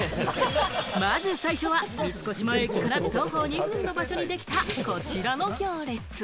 まず最初は三越前駅から徒歩２分の場所に出来た、こちらの行列。